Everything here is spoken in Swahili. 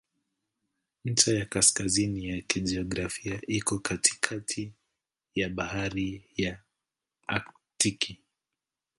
Ncha ya kaskazini ya kijiografia iko katikati ya Bahari ya Aktiki.